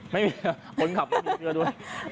ไม่มีคนขับไม่มีเสื้อด้วย